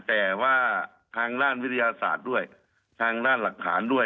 แต่ว่าทางด้านวิทยาศาสตร์ด้วยทางด้านหลักฐานด้วย